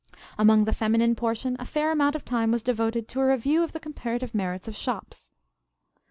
Among the feminine portion a fair amount of time was devoted to a review of the comparative merits of shops.